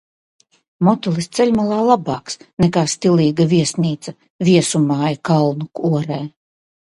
Motelis ceļmalā labāks nekā stilīga viesnīca, viesu māja kalna korē.